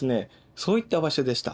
そういった場所でした。